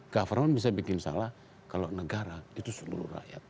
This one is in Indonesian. government bisa bikin salah kalau negara itu seluruh rakyat